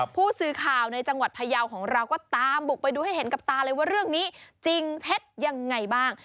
ผู้สื่อข่าวในจังหวัดพยาวของเราก็ตามบุกไปดูให้เห็นกับตาเลยว่าเรื่องนี้จริงเท็จยังไงบ้าง